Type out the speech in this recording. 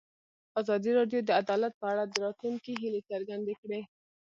ازادي راډیو د عدالت په اړه د راتلونکي هیلې څرګندې کړې.